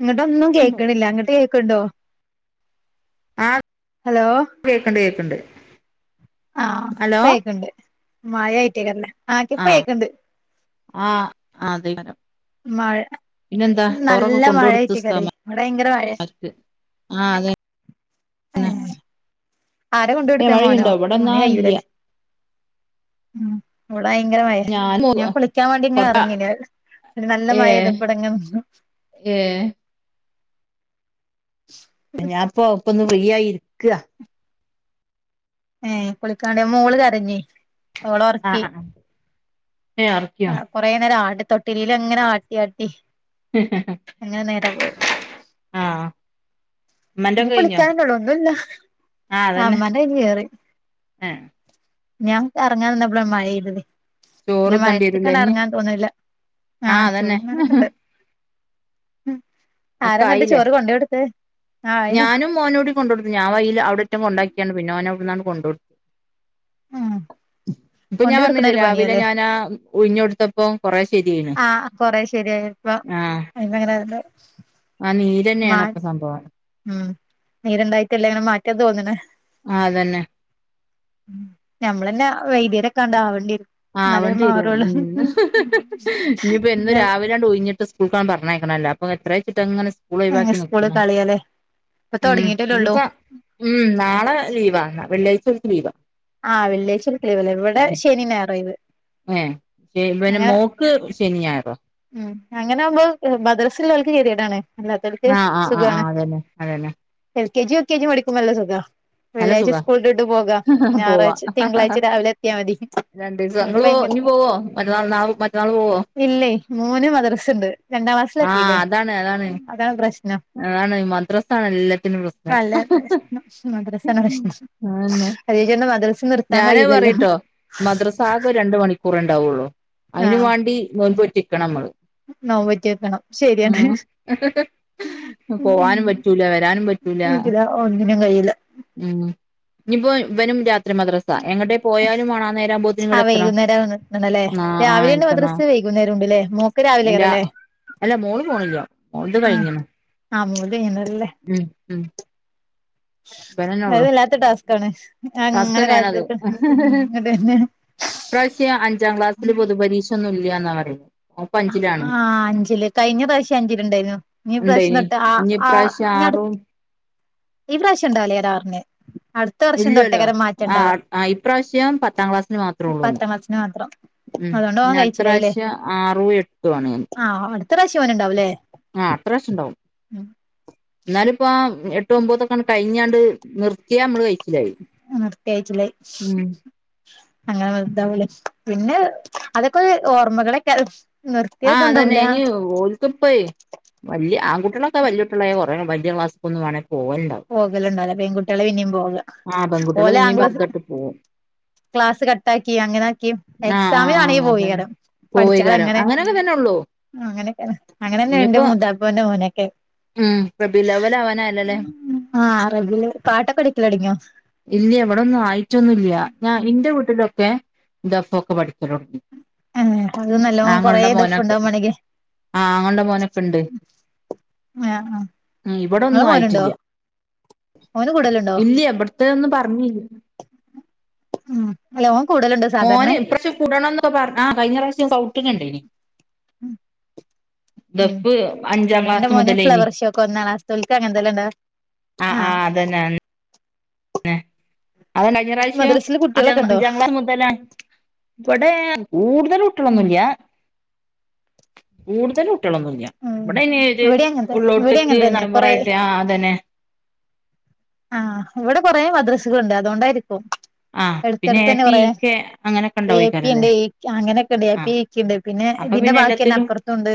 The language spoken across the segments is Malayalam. ഇങ്ങട്ടൊന്നും ണ്ടോ കേക്ക്ണില്ല അങ്ങട്ട് കേക്ക്ണ്ടോ ആഹ് ഹലോ കേക്കണ്ട് കേക്കണ്ട് ആഹ് ഹലോ ഇപ്പേക്ക്ണ്ട് മയായി റ്റാക്കാരല്ലേ ആഹ് ഇപ്പേക്ക്ണ്ട് ആഹ് അതേക്കാരം മഴ പിന്നെന്താ ചോറൊക്കെ നല്ല കൊണ്ട് കൊടുത് മഴയായിട്ടേക്കാരെ ഇവിടെ ഭയങ്കര ഉസ്താമാര്ക്ക് ആ അതെ എഹേ ആരെ ഏഹ് കൊണ്ടുകൊടുത്തേ മോനോ? മഴയുണ്ടോ ഇവിടെന്നാ മോന് ഇല്ല കയ്യൂലല്ലേ? ഉം ഇവടെ ഭയങ്കര മയെ ഞാൻ കുളിക്കാൻവേണ്ടി ഇങ്ങനെ കൊറച്ചാ എറങ്ങിനു ഒരു നല്ല മഴ ഏഹ് പെയ്പ്പെള്ള പ്രശ്നം ഏഹ് [inaudible] ഞാപ്പൊ പ്പൊന്ന് ഫ്രീ ആയി ഇരിക്ക ഏഹേ കുളിക്കാണ്ട് മോള് കരഞ്ഞി ഓളൊറക്കി. ആഹ് ആഹ് ഏഹ് അറിഞ്ഞാ കൊറേനേരം ആടി തൊട്ടിലിലങ്ങനെ ആട്ടി ആട്ടി അങ്ങനെ നേരം പോയി ആഹ് ഞ്ഞി ഉമ്മന്റൊക്കെ കഴിഞ്ഞോ കുളിക്കാനന്നെഉള്ളൂ ഒന്നുല്ല ആഹ് ഇമ്മാന്റെ കഴിഞ്ഞ് കേറി ഏഹ് ഞാങ്ങട്ട് അറങ്ങാ നിന്നപ്പളാ മഴെയ്തത് പിന്നെ ചോറ് തണ്ടിരൂലേ ഇഞ്ഞ് മയത്ത്ക്കണറങ്ങാൻ തോന്ന്ണില്ല ആഹ് ചോറ്ന്നാനൊക്കണ്ട് മ്ഹ് ഒക്കെ ആരന്നട്ട് ആയില്ലേ ചോറ് കൊണ്ടെയൊട്ത്തത് ഞാനും മോനുടി കൊണ്ടോടുക്കും ഞാൻ വയിൽ അവിടെറ്റം കൊണ്ടാക്കിയാണ് പിന്നൊന് അവ്ട്ന്നണ്ട് കൊണ്ടൊ ഉം ഇപ്പൊ ഞാൻ കൊണ്ടോയൊടുക്കണ പറഞ്ഞില്ലേ ഒരു രാവിലെ പണിയാല്ലേ ഞാനാ ഉഴിഞ്ഞൊടുത്തപ്പോ കൊറെ ശരിയായിണ്. ആഹ കൊറെ ശരിയായി ഇപ്പൊ ആഹ് അങ്ങനെല്ല ആ നീരെന്നെയാണ അപ്പൊ സംഭവം മഉം നേരണ്ടായിട്ടല്ല ഇങ്ങനെ മാറ്റാൻ തോന്ന്ണ് ആ അതന്നെ ഉം.. ഞമ്മളെന്ന വൈദ്യരൊക്കണ്ടാ വണ്ട്യരും. ആഹ് വണ്ടിവരും മ് ഇനി ഇപ്പം എന്നും എന്തായാലും രാവി ണ്ട് ഉയിഞ്ഞ്ട്ട് സ്കൂൾക്ക പറഞ്ഞേക്കണല്ലോ അപ്പ എത്ര വെച്ചിട്ട്ങ്ങനെ സ്‌കൂളൊയ് വാക്കി സ്കൂള് നിക്ക്ണ്. കളിയാല്ലേ ഇപ്പൊ ഉം തൊടങ്ങിട്ടല്ലേള്ളൂ [inaudible] ഉം നാളെ ലീവാന്ന് വെള്ളിയാഴ്ച്ച ഓൽക്ക് ലീവാ ആവെള്ളിയാഴ്ച [unintelligible] ഇവിടെ ശനി ഞായർ ഒഴിവ് ഏ പിന്നെ മോക്ക് ശനിഞായറോ- മ് അങ്ങനാവുമ്പോ മദ്രസുള്ളവർക്ക് ഗതികേടാണ് അല്ലാത്തോർക്ക് ആഹ് ആഹ് ആഹ് സുഖാണ് ആഹ് അതന്നെ അതന്നെ L K G U K G പഠിക്കുമ്പോല്ല സുഖാ നല്ല വെള്ളിയാഴ്ച സുഖാ സ്കൂൾട്ട്ട്ട് പോകാ പോവാ ഞായറാഴ്ച തിങ്കളാഴ്ച രാവിലെ എത്തിയാ മതി രണ്ടീസം ഇങ്ങള് ഇപ്പ പോ ഇങ്ങനെ ഇഞ്ഞ് പോവോ മറ്റന്നാൾ നാളെ മറ്റന്നാള് പോവോ ഇല്ലേ മോന് മദ്രസയുണ്ട് രണ്ടാക്ലാസിൽ ആഹ് എത്തിലെ അതാണ് അതാണ് പ്രശ്നം അതാണ് മദ്രസ ആണ് എല്ലാത്തിനും പ്രശ്നം അല്ല മദ്രസാണ് പ്രശ്നം ആ അത് ചേച്ചി മദ്രസ നിർത്താൻ ഞാനയ് കഴിയൂലല്ലോ പറിട്ടോ മദ്രസാ ആകെ രണ്ട് മണി ക്കൂറെണ്ടാവുള്ളൂ. അയ്നും വാണ്ടി നോൽമ്പോറ്റിക്കണമ്മള് നോമ്പൊറ്റോക്കണം. ശരിയാണ് പോവാനും പറ്റൂല വരാനും പറ്റൂല ഇല്ല ഒന്നിനും കഴിയില്ല ഉം ഇനിപ്പോ വനും രാ മദ്രസ എങ്ങട്ടേ പോയാലും വണം നേരാ വുമ്പോത്തി ആ ഇങ്ങടെ എത്തണം വൈകുന്നേരം ആഹ് ആഹ് എത്തണം കുന്നേരം ഉണ്ടല്ലേ മോക്ക് രാ രാവിലെറലെ അല്ല മോള് പോണില്ല മോൾത് കഴിഞ്ഞ ആഹ് മൂലെ [unintelligible] നല്ലേ ഉം ഉം ബനന്നെ അത് ഉള്ളു വല്ലാത്ത ടാസ്കാണ് അങ്ങനെ ടാസ്കന്നാണത് കാത്തിരിക്കണം ഉം ഇങ്ങട്ട് തന്നെ ഇപ്രാവശ്യം അഞ്ചാം ക്ലാസ്സിൽ പൊതു പരീക്ഷൊന്നും ഇല്ലയാന്നാ പറയുന്ന ആഹ് അഞ്ചില് കഴിഞ്ഞ പ്രാവശ്യം അഞ്ചില്ണ്ടായിരുന്നു നീ പ്രാവശ്യം ഉണ്ടേനി തൊട്ട് ആ ഇനി ഇപ്രാവശ്യം ആടു ആറും ഈ പ്രവിശ്യം ഇണ്ടാവാലെ എടാ പർഞ്ഞെ. അട് ഇല്ലല്ലോ ആ ഇപ്രാവശ്യം പത്താം ക്ലാസ്സിന് മാത്രേ ഒള്ളൂന്ന് പത്താം ക്ലാസ്സിന് മാത്രം ഉം അതുകൊണ്ട് ഓൻ ഇനടുത്ത കഴിച്ചിലായില്ലേ പ്രാവശ്യം ആറും എട്ടൂ ആണ് ആഹ് അടുത്ത പ്രാശ്യം ഓന്ണ്ടാവുല്ലേ ആ അത്രാശ്യംണ്ടാവും ന്നാലിപ്പോ എട്ട് ഒൻമ്പതൊക്കെ കഴിഞ്ഞാണ്ട് നിർത്തിയ നമ്മള് കയിച്ചിലായി [inaudible] അങ്ങനെ വൽതാവൂലെ പിന്നെ അതൊക്കെരു ഓർമ്മകളൊക്കെ ആഹ് അതന്നെനീ ഓ പ്പ വലിയ ആൺകുട്ടികളൊക്കെ വലിയ കുട്ടികളായ കുറേ വല്യ ക്ലാസ്സക്കൊന്നും വേണ പോവൽണ്ടാ പോകലുണ്ടാവില. പെൺകുട്ടികള പിന്നിം പോക ആ പെൺകുട്ടികള് ഓലെ പിന്നേം പർദ്ദ ഇട്ട് [unintelligible] പോവും ക്ലാസ് കട്ടാക്കി അങ്ങനെ ആക്കി ആ ആ ആ എക്സാമിനാണെങ്കിൽ അതന്നെ പോയികരം പോവേകാരം പഠിച്ചാനങ്ങനെ അങ്ങനെയൊക്കെ തന്നെ ഉള്ളൂ അങ്ങനെയൊക്കെ അങ്ങനെന്നെ ഇന്റെ മുതിയാപ്പൂന്റെ മോനൊക്കെ മ് റബിയുൽ അവ്വൽ അവാനായല്ലോലെ ആഹ് അറബില് പാട്ടൊക്കെടിക്കലടിയോ ഇല്ല ഇവിടൊന്നും ആയിട്ടൊന്നുല്ല ഞാൻ ന്റെ വീട്ടിലൊക്കെ ദഫ്ഒക്കെ പഠിക്കലോടങ്ങി ഏഹ് അത് നല്ലോം കൊറേ ആങ്ങളന്റെ ദഫ് മോനൊക്കെ ഉണ്ടാവും മാണെങ്കി ആഹ് ആങ്ങളന്റെ മോനൊക്കെ ഉണ്ട് ആഹ് ആഹ് ഉ ഇങ്ങളെ ഇവിടോന്നും മോനുണ്ടോ ആയിട്ടില്ല ഓന് കൂടലുണ്ടോ ഇല്ല്യ എവിടത്തെതോന്ന് പറഞ്ഞില്ല ഉം അല്ല ഓൻ കൂടലുണ്ട് മോന് ഇപ്രാശ്യോ കൂടണംന്നൊക്കെ പറഞ് ആ കഴിഞ്ഞ പ്രാവശ്യോം സ്കൗട്ടിനിണ്ടേനി ഉം ദഫ് അഞ്ചാക്ലാസ് മുതലെനി കൊറഞ്ഞ ക്ലാസ്സ്‌തോൽക് അങ്ങൻതല്ലെ ഇണ്ടാവാ അഹ് ആഹ് അതന്നെ അൻ തന്നെ അതന്നെ കഴഞ്ഞറാശ്യം മദ്രസില് അഞ്ചാ കുട്ടികളൊക്കെ ഇണ്ടോ അഞ്ചാം ക്ലാസ് മുതലേ- ഇവിടെ കൂടുതൽ ഉം കുട്യോളൊന്നുല്ല്യ കൂടുതൽ ട്ടിയാളോന്നുല്ല ഉം ഇവിടെ അയിന് ഇവിടിം അങ്ങൻത്തെ ഇവിടിം ഉള്ളോട്ട്ക്ക് അങ്ങൻ തന്നെ കൊറേ നമ്പുറായിട്ട് ആഹ് അതന്നെ ആഹ്. ഇവിടെ കുറേ മദ്രസുകളുണ്ട്, അതോണ്ടായിരിക്കും ആഹ് പിന്നെ എ അടുത്തടുത്തന്നെ പി കൊറെ ഇ കെ അങ്ങനെയൊക്കെ ഏ പി ഉണ്ടാവോയ്ക്കാരല്ലേ ഉണ്ട് ഈക് അങ്ങനെയൊക്കെണ്ട് ഏ പി ആഹ് ഈ ക് ക്കേണ്ട് പിന്നെ അപ്പൊ ഇതിന്റെ പിന്നെ ബാക്കിന്നെ എല്ലാത്തിലും അപ്പറത്തുണ്ട്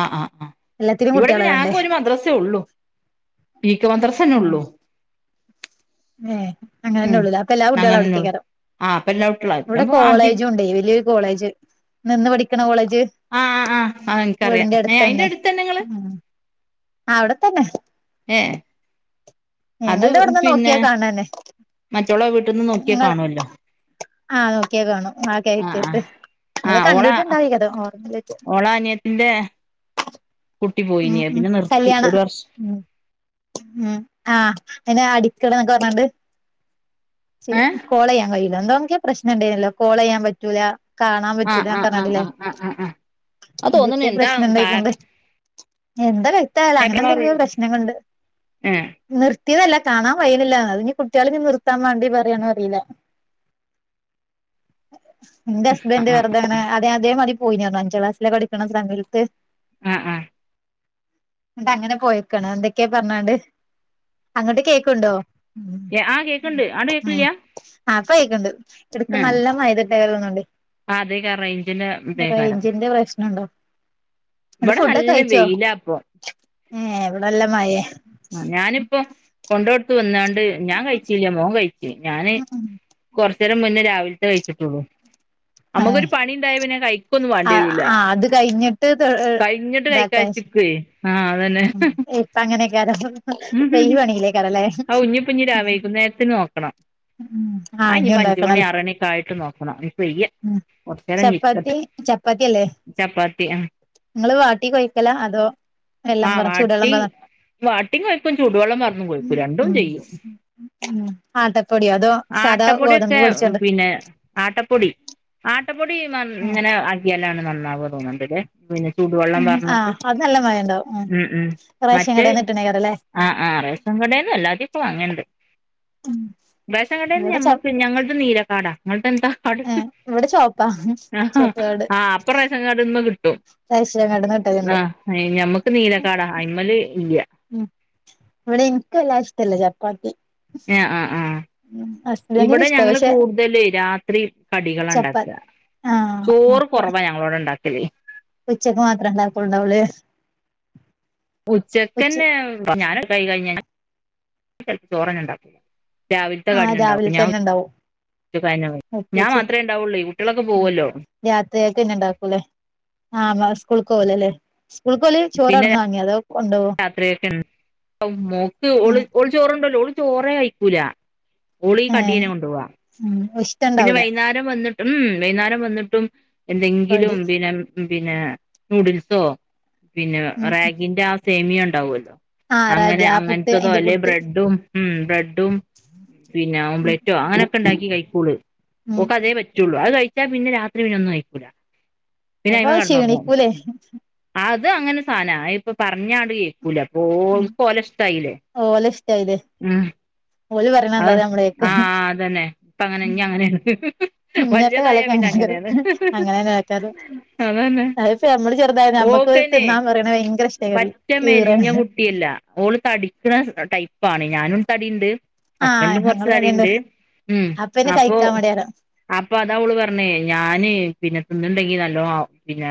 ആഹ് ആഹ് ആഹ് എല്ലത്തിനും ഇവിടെ കുട്ടിയളെ പിന്നെ വാണ്ടേ ഈ ക്കേ മദ്രസന്നെ ഉള്ളൂ ഏ അങ്ങനെന്നെ ഉം ഒള്ളൂ അപ്പൊ എല്ലാ കുട്ടികള അങ്ങനെന്നെള്ളു അവ്ടെക്കേക്കാരം ആഹ് അപ്പൊ എല്ലാവട്ടുള്ള ഇവിടെ പിന്നെപ്പോ അധി കോളേജും ഇണ്ടേ വലിയഒരു കോളേജ് നിന്ന് പഠിക്കണ കോളേജ്- ആഹ് ആഹ് ആഹ് എനിക്കറിയാം ഏഹ് അയിന്റെ വീടിന്റെട്ത്തന്നെ, അടുത്തന്നെ ഇങ്ങള് ഉം ആ അവിടെത്തന്നെ ഏഹ് ഞങ്ങളുടെ ഇവിടന്ന് നോക്കിയാ കാണ്നന്നേ മറ്റൊളെ വീട്ടിന്ന് നോക്കിയാ കാണുവല്ലോ ആഹ് നോക്കിയാ കാണും ആ ആഹ് കേറ്റത്ത് ആഹ് നിങ്ങൾ ആഹ് ഓള കണ്ടിട്ടുണ്ടായ്ക്കത് [unintelligible] ന്റെ കുട്ടി പോയിനീ ഉം ഉം പിന്നെ നിർത്തി കല്യാണ ഒരു വർഷം ഉം ഉം ആഹ അ അടിക്കട എന്നൊക്കെ പറഞ്ഞാണ്ട് ച് ഏഹ് കോളെയ്യാൻ കഴിയുല എന്തോന്നൊക്കെയോ പ്രശ്നം ഇണ്ടായിനല്ലോ കോള് ചെയ്യാൻ പറ്റൂല കാണാൻ ആഹ് പറ്റൂല ആഹ് ആഹ് ആഹ് ആഹ് ആഹ് ആഹ് [unintelligible] അത് തോന്നുന്നു എന്തോക്കെ എന്താ പ്രശ്നം ഉണ്ടായിട്ടുണ്ട് കാരണം എന്താ വെൽത്തായാല അങ്ങനെ ഏഹ് എന്തെങ്കിലും പ്രശ്നം കൊണ്ട്- ആഹ് നിർത്തിയതല്ല കാണാൻ വയ്യിണില്ല അത് ഇനി കുട്ടികള് നിർത്താൻ വേണ്ടി പറയാണോ അറിയില്ല ന്റെ ഹസ്ബന്റ് ആഹ് വെറുതനെ അതെ അതേ മതി പോയിരുന്നു അഞ്ചാം ക്ലാസ്സിലെ പഠിക്കണ സമത്ത് ആഹ് ആഹ് ന്നിട്ട് അങ്ങനെ പോയിക്കാണ് എന്തൊക്കെയോ പറഞ്ഞാണ്ട് അങ്ങട്ട് കേക്ക്ണ്‌ണ്ടോ? ആ കേക്കണ്ട് ആണ്ട് കേൾക്കില്ല ആ ഇപ്പൊ കേക്ക്ണ്ട് എടുക്ക് നല്ല മഴപെയ്തി അതേക്കാരം റേഞ്ചിന്റെ [unintelligible] ഇതേക്കാരം റേഞ്ചിന്റെ പ്രശ്നണ്ടോ ഇവിടെ നല്ല വെയിലാപ്പോ ഏ എവിടെല്ല മഴേ അഞാനിപ്പം കൊണ്ടോട്ത്ത് വന്നാണ് ഞാൻ കഴിച്ചില്ല മോൻ കഴിച്ചു ഞാന് കൊറ കോർച്ചേരം മുന്നേ രാവിൽത്തെ കയിച്ചിട്ടുള്ളു ഏ നമ്മുക്കൊരു പണിണ്ടായ പിന്നെ കയി ഒന്നും വാണ്ടി വരൂല ആ അത് കഴിഞ്ഞിട്ട് കഴിഞ്ഞിട്ട് ഇതാക്കാൻ കൈക്കാച്ചിക്ക് ആഹ് അതന്നെ അങ്ങനൊക്കാരം [unintelligible] പണിയിലേക്കാരല്ലേ? ഔഞ്ഞിപ്പോ വൈകുന്നേരത്തി നോക്കണം ആ അയിഞ്ഞ് ഇനി പ്പ അഞ്ച് മണി ഉണ്ടാക്കണല്ലോ ആറണിയക്കെ ആയിട്ട് നോക്കണം നിപ്പോ വയ്യ ഉം കുറച്ചേരൊന്നിരിക്കട്ട് ചപ്പാത്തി ചപ്പാത്തി അല്ലേ ചപ്പാത്തി ആഹ് നിങ്ങള് വാട്ടി കൊയക്കല അതോ വെള്ളം ആഹ പറ ചൂടുവെള്ളം വാട്ടി പറ വാട്ടിയും കൊഴിക്കും ചൂടുവെള്ളം മറും ഉം കൊഴിക്കും രണ്ടും ചെയ്യും ഉം ആട്ടപ്പൊടിയോ അതോ ആ സാധാ ഗോതമ്പ് ആട്ടപ്പൊടിയൊക്കെ പൊടിച്ചോണ്ട് പിന്നെ ആട്ടപ്പൊടി ആട്ടപ്പൊടി മം ഉം ഇങ്ങനെ ആട്ടിയാലാണ് നന്നാവോ തോന്ന്ണ്ട്ലേ പിന്നെ ചൂടുവെള്ളം ഉം [unintelligible] ആഹ് ട്ട് അത് നല്ല മയം ഉണ്ടാവും ഉം ഉം റേഷൻ മറ്റേ കടേന്ന് കിട്ടണേക്കാരല്ലേ ആ ആ റേസൻ കടേന്നും എല്ലാതൊക്കെ വാങ്ങല്ണ്ട് ഉം റേഷൻ കടേന്ന് ഇവിടെ ച നമ്മക്ക് ഞങ്ങൾത് നീലക്കാർഡാ നിങ്ങൾത് എന്താ അടെ ഏഹ് ഇവിടെ ചോപ്പാ ആഹ് ചോപ്പ്കാർഡ് ആ അപ്പൊ റേഷൻ കാർഡ് ഇന്ന് കിട്ടും [unintelligible] ആ ഐ ഞമ്മക്ക് നീലക്കാടാ ഐമല് ഇല്ല ഉം ഇവടെ ഇൻക്ക് വല്ലാതെ ഇഷ്ടല്ല ചപ്പാത്തി ആഹ് ആഹ് ആഹ് ഉം ഹസ്ബന്റിന് ഇവിടെ ഇഷ്ടാ ഞങ്ങള് പക്ഷെ കൂടുതല് രാത്രി കടികള ചപ്പാ ഉണ്ടാക ആഹ് ചോറ് കൊറവാ ഞങ്ങളോടെ ഉണ്ടാക്കൽ ഉച്ചയ്ക്ക് മാത്രം ഉണ്ടാക്കലുണ്ടാവുലേ ഉച്ചക്കന്നെ ഞാന് ണ്ടാക്കി കഴിഞ്ഞാ ചെലപ്പോ ചോറെന്നെണ്ടാകും രാവിൽത്തെ ആഹ് കടിയെന്നെണ്ടാവും പി രാവിലെ ഞാൻ തന്നെ ഉണ്ടാവും [unintelligible] ഞാമാത്രേണ്ടാവുള്ളൈ കുട്ട്യാളൊക്കെ പോവൊല്ലോ രാത്രിയിലേക്ക് പിന്നെ ഉണ്ടാക്കൂല്ലേ ആഹ് മോൻ സ്കൂൾക്ക് പോയലല്ലേ സ്കൂൾക്ക് ഓല് പിന്നെ ചോറവ്ട്ന്ന് വാങ്ങേ അതോ കൊണ്ടോവോ രാത്രിയൊക്കെ [unintelligible] മോക്ക് ഓള് ഉം ഓൾ ചോറൊണ്ടോവുലാ ഓള് ചോറേ കയിക്കൂലാ ഒളി ഏഹ് കടിനെ കൊണ്ടു പോവാ ഉം പിന്നെ ഇഷ്ടണ്ടാവൂല വൈകുന്നേര വന്നിട്ട് ഉം വൈന്നാരം വന്നിട്ടും എന്തെങ്കിലും കടി പിന്നെ ഉം പിന്നെ നൂഡിൽസോ പിന്നെ ഉം റാഗിന്റെ ആ സേമിയോ ഉണ്ടാവുല്ലോ ആഹ് റാഗി അങ്ങനെ ആ പുട്ട് അങ്ങെൻത്തതോ അയിന്റെ അല്ലെ പുട്ട് ബ്രെഡ്ഡും ഉം ബ്രെഡും പിന്നെ ഉം ഓംളറ്റോ അങ്ങനെയൊക്കെ ഉണ്ടാക്കി കഴിക്കൂള് ഉം ഓക്കതേ പറ്റൊള്ളു അത് കഴിച്ചാ പിന്നെ രാത്രി പിന്നൊന്നും കയിക്കൂല പിന്നെ അപ്പൊ അയ്മെകെടന്നൊറങ്ങും ക്ഷീണിക്കൂലേ ആത് അങ്ങനൊരു സാന ഐപ്പൊ പറഞ്ഞാണ്ട് ഏ ല അപ്പൊ ഉം ഓൾക്ഷ്ടായില്ലേ ഓലെ ഇഷ്ടായില്ലേ ഉം ഓല് പറയണന്താ ആഹ് അത് നമ്മള് ആ കേക്കാ ആ അതന്നെ ഇപ്പങ്ങനെ ഞിങ്ങനേണ് ഇഞ്ഞത്തെ വല്ലതായാ കാലൊക്കെ പിന്നെ അങ്ങനേക്കാരം അങ്ങനേണ് അങ്ങനെന്നെ വക്കാറ് അത്പ്പോ നമ്മള് ചെറുതായി നമ്മക്ക് ഓക്കന്നെ തിന്നാൻ പറയണ ഭയങ്കര ഏത് പറ്റ മെലിഞ്ഞ ഈറേണ് [inaudible] ഓള് തടിക്കുന്ന ടൈപ്പാണ് ഞാനും തടിണ്ട് ആഹ് ഹസ്ബൻഡും കൊറച്ച് ഞങ്ങള് തന്നെണ്ട് തടിണ്ട് ഉം അപ്പന്നെ അപ്പൊ കഴിക്കാൻ മടിയാകാരം അപ്പൊ അതാ ഓള് പറഞ്ഞെ ഞാന് പിന്നെ തിന്ന്ണ്ടെങ്കി നല്ലോ പിന്നെ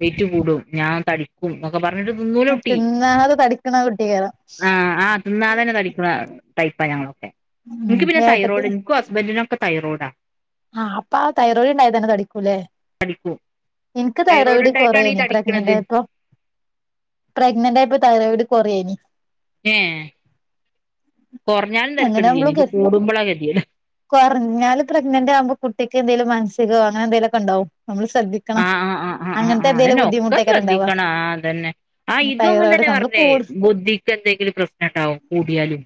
വെയ്റ്റ് കൂടും ഞാൻ തടിക്കും ക്ക പറഞ്ഞിട്ട് തിന്നൂല കുട്ടി തിന്നാതെ തടിക്കണ കുട്ടിയേക്കാരം ആഹ് ആഹ് ന്നാ തന്നെ തടിക്ക്ണ ടൈപ്പാ ഞങ്ങളൊക്കെ ഇൻക്ക് ഉം പിന്നെ ഏട്ടത്തി തൈറോയ്ഡ് ഇൻക്കും ഹസ്ബൻഡിനൊക്കെ തൈറോയ്ഡാ ആഹ് അപ്പാ തൈറോയ്ഡ്ണ്ടായതെന്നെ തടിക്കുലേ തടിക്കും ഇൻക്ക് തൈറോയ്ഡ് തൈറോയിഡ് ഉണ്ടായിട്ടാണ് ഈ കൊറയൈനി തടിക്കണത് പ്രഗ്നന്റായപ്പൊ പ്രെഗ്നന്റായപ്പോ തൈറോയിഡ് കുറയൈനി ഏ കൊറഞ്ഞാലും തെരക്കിടില്ലൈനി ഇത് കൂടുമ്പളാ ഗതീട് കൊർഞ്ഞാല് പ്രെഗ്നന്റ് ആകുമ്പോ കുട്ടിക്ക് എന്തെലും മാനസികോ അങ്ങനെ എന്തേലുമൊക്കെണ്ടാവും നമ്മള് ശ്രദ്ധി ക്കണം ആഹ് ആഹ് ആഹ് ആഹ് ആഹ് അതന്നെ ഒക്കെ ശ്രദ്ധിക്കണം ആഹ് തന്നെ ആ തൈറോയിഡ് ഇതുംങ്ങൻതന്നെ നമ്മള് പറഞ്ഞൈ കൂടു ബുദ്ധി പ്പന്തെങ്കിലും പ്രശ്നണ്ടാവും കൂടിയാലും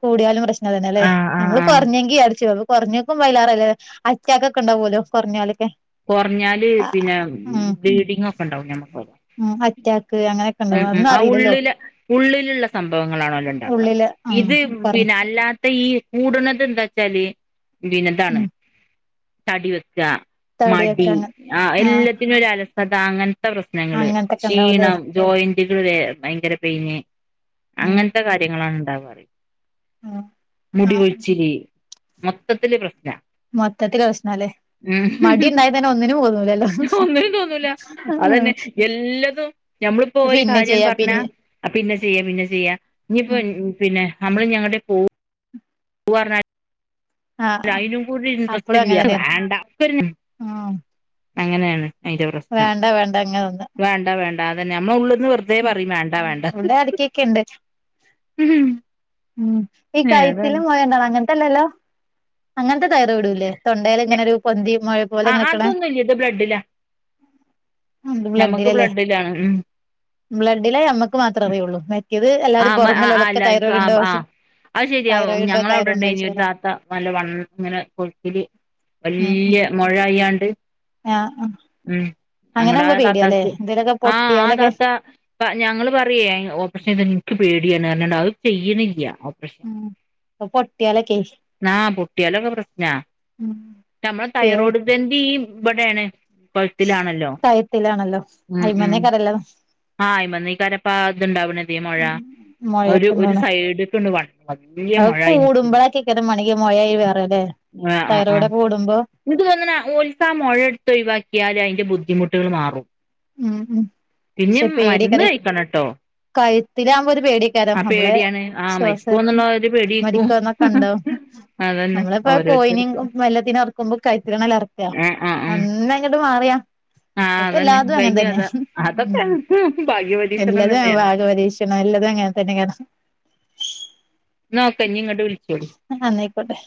കൂടിയാലും പ്രശ്നം തന്നെ അല്ലേ ആഹ് ആഹ് നമ്മള് ആഹ് കൊർഞ്ഞെങ്കി അടച്ചു കൊറഞ്ഞ്ക്കുംഭയ്ലാറല്ലേ അറ്റാക്കൊക്കെണ്ടോവോലോ കൊർഞ്ഞാലൊക്കെ കൊർഞ്ഞാല് പിന്നെ ബ്ലീഡിങ് ഒക്കെ ഉണ്ടാവും നമ്മക്കൊ ഉം അറ്റാക്ക് അങ്ങനെയൊക്കെ ഉം ഉണ്ടാവും ഉം അതൊന്നും ആ അറിയില്ലല്ലോ ഉള്ളിലെ ഉള്ളിലുള്ള സംഭവങ്ങളാണോലൊണ്ടാവ ഉള്ളില് ഉം ഇത് കൊറ പിന്നെ അല്ലാത്തെഈ കൂട്ണതെന്താച്ചാല് പീന്നെതാണ് ഉം തടിവെക്ക തടിയൊക്കെ മടി അങ്ങ ആ ആഹ് എല്ലത്തിനും ഒരു അലസത അങ്ങനെ പ്രശ്നങ്ങള് അങ്ങനത്തൊക്കെ ഉണ്ടാവുംല്ലേ ക്ഷീണം ജോയിന്റുകൾ വ ഭയങ്കര പെയിന് ഉം അങ്ങൻത്തെ കാര്യങ്ങളാണ് ഉണ്ടാവാറി ഉം ആ മുടികൊയിച്ചില് മൊത്തത്തില് പ്രശ്നാ മൊത്തത്തിൽ വെശന്നാല് മടി ഉണ്ടായ തന്നെ ഒന്നിനും തോന്നുല്ലല്ലോ ഒന്ന്നും തോന്നൂല അതന്നെ എല്ലാതും ഞമ്മളിപ്പോ ഒരു പിന്നെ കാര്യൻ ചെയ്യാ പർഞ്ഞാ പിന്നെ അപ്പിന്നെ ചെയ്യാ പിന്നെ ചെയ്യാ ഇനിയിപ്പോ ഉം പിന്നെ നമ്മള് ഞെങ്ങേട്ടേലും പോ പോവാണ ആ അയ്നും കൂടി ഇൻട്രസ്റ്റ് അപ്പളും അങ്ങനെ ഇല്യാ. അത് തന്നെയാണ് വേണ്ടാ. പ്പോരു. ഉം ഉം അങ്ങനേണ് ഐന്റെ പ്രശ്നം വേണ്ട വേണ്ട അങ്ങനെ നിന്ന് വേണ്ട വേണ്ടാ അതന്നെ നമ്മള് ഉള്ള്ന്ന് വെർ തേ പറയും വേണ്ട വേണ്ട ഇവിടെ ഇടക്കൊക്കെ ഉണ്ട് ഉം ഉം ഈ കയ്ത്തില് മൊഴണ്ടാവ അങ്ങൻത്തെല്ലല്ലോ അങ്ങനത്തെ തയർ ഇടൂല്ലേ തൊണ്ടേൽ ഇങ്ങനെ ഒരു പൊന്തിയ മോ ആ അതൊന്നുല്ല ഇത് ബ്ലഡിലാ ഞമ്മക്ക് ബ്ലഡിലാണ് ഉം ബ്ലഡിലേ നമ്മക്ക് മാത്ര അറിയോള്ളൂ ഇത് ആ എല്ലാരും ആ പൊറമേല്ലോലൊക്കെ എല്ലാർക്കും തൈറോഡ് ആ ണ്ടോ ആ ചോയ്ച്ച അത് തൈറോയിട് ണ്ടോ തെയ്റോയ്ട് ണ്ടോ ചോയ്ചോലോ നല്ലവണ്ണം ങ്ങനെ കൊഴുത്തില് വല്യാ മൊഴായ്യിയ്യാണ്ട് യാ ആഹ് ഉം അങ്ങട ആ താത്താക്ക് എന്തേലൊക്കെ ആഹ് ആ പൊട്ടിയാലൊക്കെ താത്ത പ്പ ഞങ്ങള് പറയ്യേ അയ് ഓപ്പറേഷൻ ചെയ്ത നിക്ക് പേടിയാർഞ്ക്കാണ്ട് അഹ് ചെയ്യ്ണില്ല ഓപ്പറേഷൻ ഉം അത് പൊട്ടിയാലൊക്കെ ആഹ് പൊട്ടിയാലൊക്കെ പ്രശ്നാ ഉം നമ്മളെ തൈറോയ്ഡ് ഗ്രന [unintelligible] ഇവടേണ് പഴ്ത്തിലാണല്ലോ ഉം ഉം ഹലോ ആ അയി്മന്നേ കാരപ്പാ ഇത്ണ്ടാവ്ണത് മൊഴ ഒരു ഒരു മൊയൊക്കെന്താണ് സൈഡ്ക്ക്ണ്ട് വന്ന് വല്യ അഹ് മൊഴായി നിക്ക്ണ്ട് കൂടുമ്പളക്കൈക്കാരെമണങ്കി മൊഴായി മാർണല്ലേ തൈറോയ്ഡ് കൂടുമ്പാെ ഇങ്ങട്ട് വന്നന്നാ ഓല്‍ക്കാ മൊഴ എടുത്ത് ഒയിവാക്കിയാലൈന്റെ ബുദ്ധിമുട്ടുകൾ മാറും ഉം ഉം പിന്നിം മരുന്ന് കയിക്കണട്ടോ കഴുത്തിലാവുമ്പോരു പേടിക്കാരം നമ്മളെ ആഹ് ശ്വാസ മരിക്കോന്നുള്ള ഒരു പേടിയേക്കും മരിക്കന്നെ കണ്ടോ അതന്നെ നമ്മളിപ്പോ കോയിനിം ഓരോരുത്തർക്ക് മെല്ലത്തിനർക്കുമ്പോ കൈത്തിഴണല്ലർക്കാ ആഹ് ആഹ് ആഹ് ഒന്നങ്ങട്ട് മാറിയാ ആഹ് അതന്നെ പ്പല്ലാതും അങ്ങനെ കഴിഞ്ഞു തന്നെ കഥ ഉം അതൊക്കെ ഭാഗ്യപരീക്ഷണം തന്നെയാണ് നല്ലത് അങ്ങെനെതെന്നെകേണ് നോക്കെ ഞിങ്ങട്ട് വിളിച്ചോളി അ ന്നയിക്കോട്ടെ